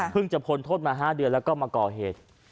เพิ่งจะพนทศมา๕เดือนแล้วก็มาก่อเหตุ